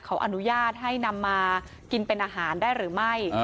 เขาอนุญาตให้นำมากินเป็นอาหารได้หรือไม่